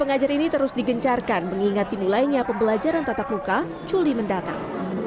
mengajar ini terus digencarkan mengingat dimulainya pembelajaran tata puka juli mendatang